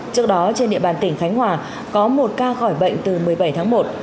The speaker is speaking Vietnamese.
trước đó trên địa bàn tỉnh khánh hòa có một ca khỏi bệnh từ một mươi bảy tháng một